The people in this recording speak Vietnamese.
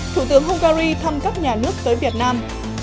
thủ tướng hungary thăm cấp nhà nước tới việt nam